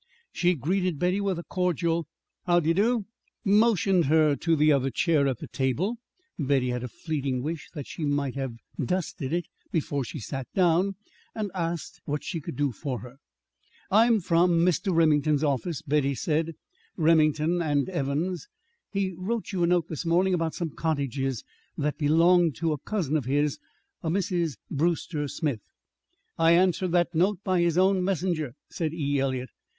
She greeted Betty with a cordial "how de doo," motioned her to the other chair at the table (Betty had a fleeting wish that she might have dusted it before she sat down), and asked what she could do for her. "I'm from Mr. Remington's office," Betty said, "Remington and Evans. He wrote you a note this morning about some cottages that belong to a cousin of his, Mrs. Brewster Smith." "I answered that note by his own messenger," said E. Eliot.